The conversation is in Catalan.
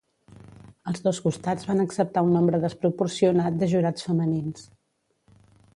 Els dos costats van acceptar un nombre desproporcionat de jurats femenins.